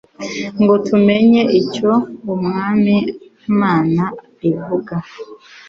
ngo tumenye « icyo Umwami Mana ivuga. »